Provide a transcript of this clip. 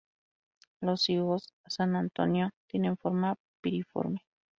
Los higos 'San Antonio' tienen forma piriforme.